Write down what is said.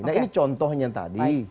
nah ini contohnya tadi